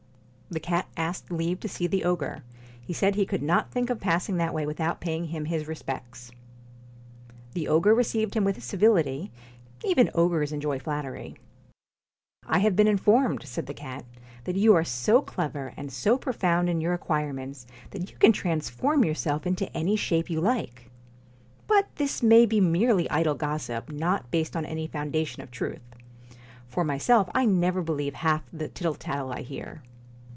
The cat asked leave to see the ogre. He said he could not think of passing that way without paying him his respects. The ogre received him with civility; even ogres enjoy flattery. *I have been informed,' said the cat, 'that you are so clever and so profound in your acquire 19 PUSS IN ments, that you can transform yourself into any BOOTS shape you like. But this may be merely idle gossip, not based on any foundation of truth. For myself I never believe half the tittle tattle I hear.'